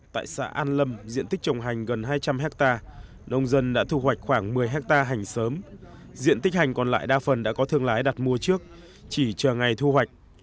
tại xã an lâm diện tích trồng hành gần hai trăm linh hectare nông dân đã thu hoạch khoảng một mươi hectare hành sớm diện tích hành còn lại đa phần đã có thương lái đặt mua trước chỉ chờ ngày thu hoạch